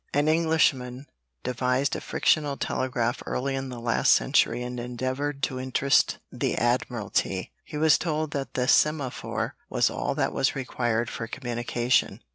An Englishman devised a frictional telegraph early in the last century and endeavored to interest the Admiralty. He was told that the semaphore was all that was required for communication.